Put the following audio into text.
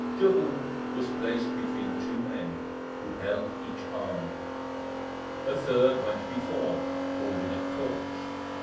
Derues was placed between two men who each held an arm. A third went before, holding a torch.